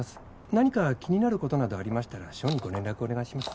何か気になる事などありましたら署にご連絡をお願いします。